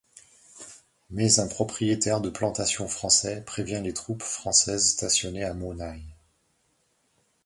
Mais un propriétaire de plantation français prévient les troupes françaises stationnées à Mõ Nhai.